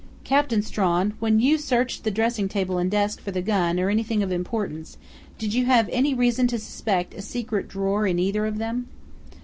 "Captain Strawn, when you searched the dressing table and desk for the gun or anything of importance, did you have any reason to suspect a secret drawer in either of them?"